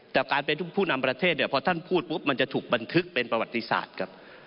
แต่การเป็นผู้นำประเทศเนี่ยพอท่านพูดปุ๊บมันจะถูกบันทึกเป็นประวัติศาสตร์ครับ